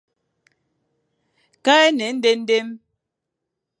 Kale à ne éndendem,